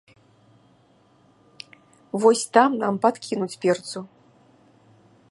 Вось там нам падкінуць перцу.